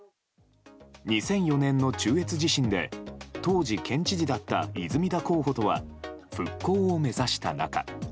２００４年の中越地震で当時、県知事だった泉田候補とは復興を目指した仲。